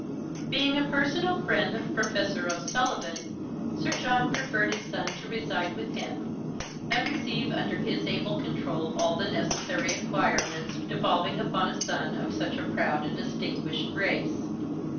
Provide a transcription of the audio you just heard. Being a personal friend of Professor O'Sullivan, Sir John preferred his son to reside with him, and receive under his able control all the necessary acquirements devolving upon a son of such a proud and distinguished race.